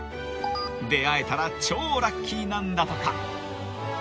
［出合えたら超ラッキーなんだとか］